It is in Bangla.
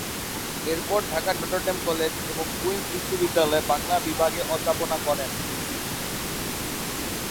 এরপর ঢাকার নটর ডেম কলেজ এবং কুইন্স বিশ্ববিদ্যালয়ে বাংলা বিভাগে অধ্যাপনা করেন।